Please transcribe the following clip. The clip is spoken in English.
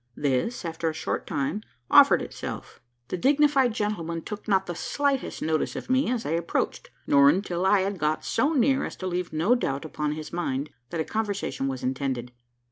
This, after a short time, offered itself. The dignified gentleman took not the slightest notice of me as I approached; nor until I had got so near, as to leave no doubt upon his mind that a conversation was intended.